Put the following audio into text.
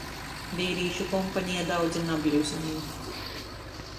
Veirīšu kompaneja daudzi nabļuznej.